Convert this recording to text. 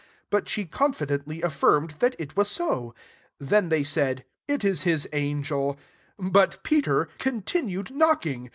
But she confidently a^rmed that it was ao. 16 Then they said, " It is his angeL" • But Peter continued knocking.